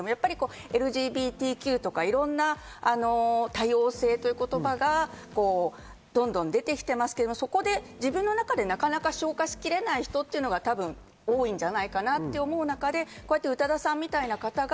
ＬＧＢＴＱとか、いろんな多様性という言葉がどんどん出てきてますが、そこで自分の中でなかなか消化しきれない人というのが多いんじゃないかなと思う中で、宇多田さんのような方が